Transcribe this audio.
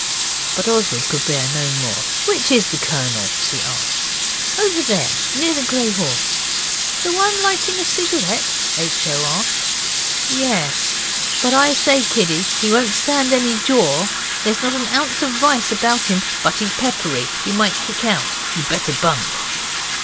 But Oswald could bear no more. 'Which is the Colonel?' he asked. 'Over there near the grey horse.' 'The one lighting a cigarette?' H. O. asked. 'Yes but I say, kiddie, he won't stand any jaw. There's not an ounce of vice about him, but he's peppery. He might kick out. You'd better bunk.